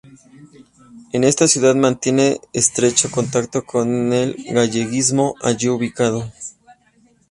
En esta ciudad mantiene estrecho contacto con el galleguismo allí ubicado.